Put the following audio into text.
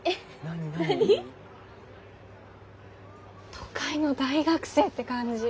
都会の大学生って感じ。